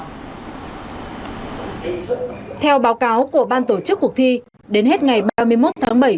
theo báo cáo của ban tổ chức cuộc thi đến hết ngày ba mươi một tháng bảy